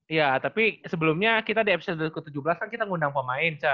iya tapi sebelumnya kita di episode ke tujuh belas kan kita ngundang pemain jen